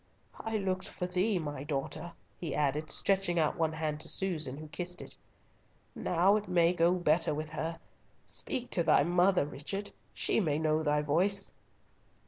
"I looked for thee, my daughter," he added, stretching out one hand to Susan, who kissed it. "Now it may go better with her! Speak to thy mother, Richard, she may know thy voice."